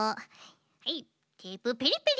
はいテープペリペリ。